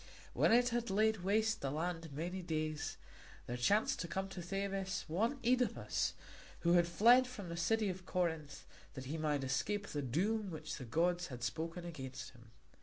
When it had laid waste the land many days, there chanced to come to Thebes one Œdipus, who had fled from the city of Corinth that he might escape the doom which the gods had spoken against him.